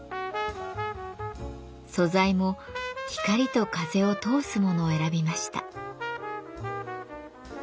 素材も光と風を通すものを選びました。